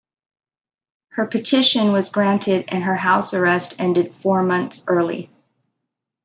Her petition was granted and her house arrest ended four months early.